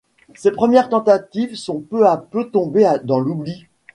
Ces premières tentatives sont peu à peu tombées dans l'oubli.